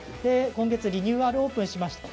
今週リニューアルオープンしました。